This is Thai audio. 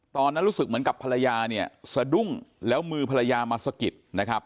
ตอนนั้นรู้สึกเหมือนกับภรรยาเนี่ยสะดุ้งแล้วมือภรรยามาสะกิดนะครับ